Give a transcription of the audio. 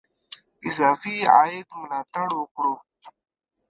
اضافي عاید ملاتړ وکړو.